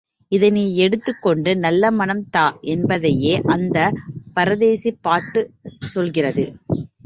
இதை நீ எடுத்துக் கொண்டு நல்ல மனம் தா என்பதையே அந்தப் பரதேசி பாட்டுச் சொல்கிறது.